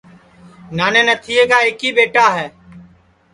نانے نتھیے کا ایکی ٻیٹا ہے